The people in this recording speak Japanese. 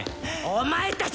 お前たち